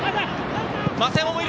増山もいる！